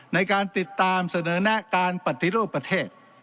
ในการติดตามเสนอแนะการปฏิรูปประเทศ